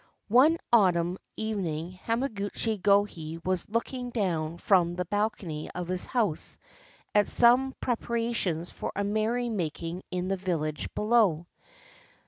One autumn evening Hamaguchi Gohei was looking down from the balcony of his house at some prepara tions for a merry making in the village below.